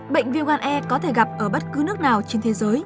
bệnh viêm gan e có thể gặp ở bất cứ nước nào trên thế giới